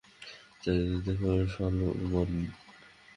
চারদিকে দেখো সলোমন।